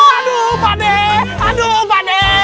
aduh pade aduh pade